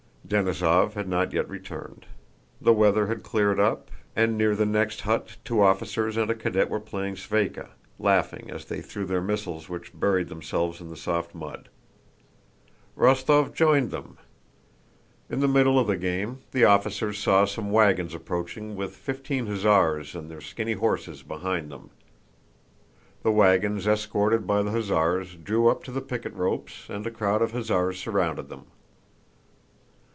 Denísov had not yet returned. The weather had cleared up, and near the next hut two officers and a cadet were playing sváyka, laughing as they threw their missiles which buried themselves in the soft mud. Rostóv joined them. In the middle of the game, the officers saw some wagons approaching with fifteen hussars on their skinny horses behind them. The wagons escorted by the hussars drew up to the picket ropes and a crowd of hussars surrounded them.